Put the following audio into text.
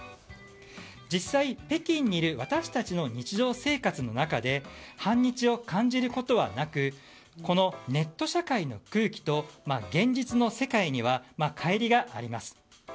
実際、北京にいる私たちの日常生活の中で反日を感じることはなくネット社会の空気と現実の世界にはかい離があります。